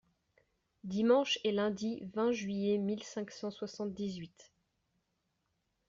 Dimanche et lundi vingt juillet mille cinq cent soixante-dix-huit .